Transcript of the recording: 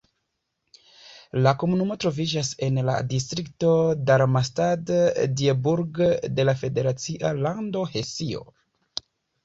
La komunumo troviĝas en la distrikto Darmstadt-Dieburg de la federacia lando Hesio.